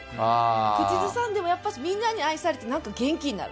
口ずさんでもやっぱしみんなに愛されて、なんか元気になる。